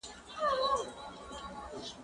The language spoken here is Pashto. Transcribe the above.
زه به سبا درسونه ولوستم؟